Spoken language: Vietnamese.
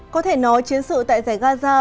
có thể nói chiến sự tại giải gaza và nhật bản